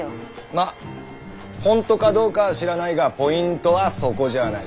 まあほんとかどうかは知らないがポイントはそこじゃない。